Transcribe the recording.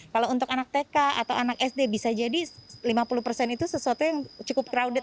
kalau untuk anak tk atau anak sd bisa jadi lima puluh persen itu sesuatu yang cukup crowded